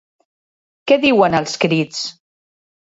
Què diuen els crits?